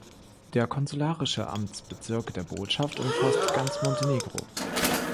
Der konsularische Amtsbezirk der Botschaft umfasst ganz Montenegro.